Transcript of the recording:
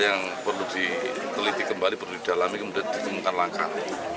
yang perlu diteliti kembali perlu didalami kemudian ditemukan langkah